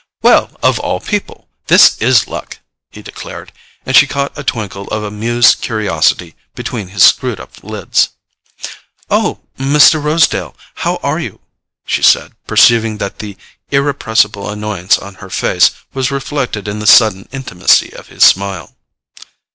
Well—of all people! This IS luck," he declared; and she caught a twinkle of amused curiosity between his screwed up lids. "Oh, Mr. Rosedale—how are you?" she said, perceiving that the irrepressible annoyance on her face was reflected in the sudden intimacy of his smile.